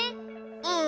うん。